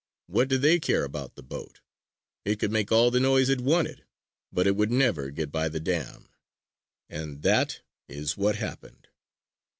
What did they care about the boat? It could make all the noise it wanted, but it would never get by the dam! And that is what happened.